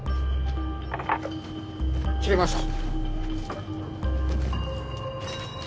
・切れました・